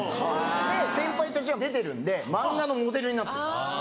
先輩たちが出てるんで漫画のモデルになってるんですよ。